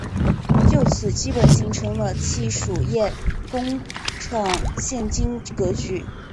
就此基本形成了戚墅堰工厂现今格局。